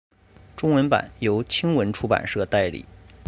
中文版由青文出版社代理。